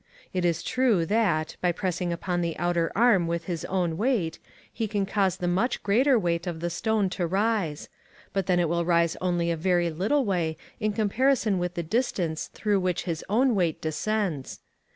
It is true that, by pressing upon the outer arm with his own weight, he can cause the much greater weight of the stone to rise; but then it will rise only a very little way in comparison with the distance through which his own weight descends.